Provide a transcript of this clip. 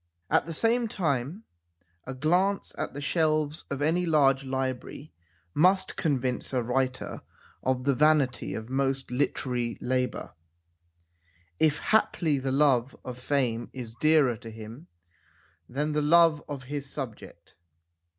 At the same time a glance at the shelves of any large library must convince a writer of the vanity of most literary labour, if haply the love of fame is dearer to him than the love of his sub ject.